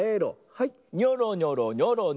はい。